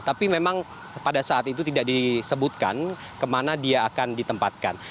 tapi memang pada saat itu tidak disebutkan kemana dia akan ditempatkan